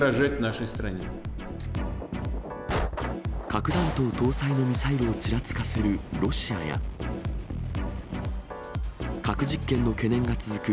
核弾頭搭載のミサイルをちらつかせるロシアや、核実験の懸念が続く